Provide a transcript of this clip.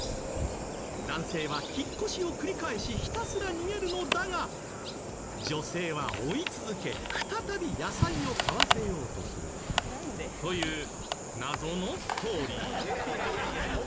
男性は引っ越しを繰り返しひたすら逃げるのだが女性は追い続け再び野菜を買わせようとするという謎のストーリー。